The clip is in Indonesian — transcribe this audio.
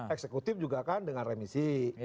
eksekutif juga kan dengan remisi